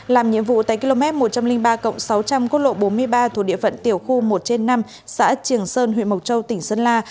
làm nhiệm vụ tại km một trăm linh ba sáu trăm linh quốc lộ bốn mươi ba thuộc địa phận tiểu khu một trên năm xã trường sơn huyện mộc châu tỉnh sơn la